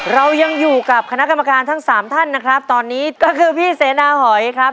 เรายังอยู่กับคณะกรรมการทั้งสามท่านนะครับตอนนี้ก็คือพี่เสนาหอยครับ